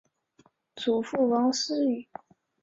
祖父王思与。